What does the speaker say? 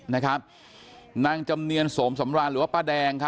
นางจำเนียนสมสำราญหรือว่าป้าแดงครับ